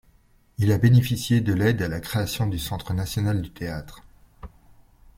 Il a bénéficié de l'aide à la création du Centre national du théâtre.